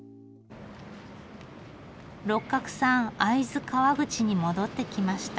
六角さん会津川口に戻って来ました。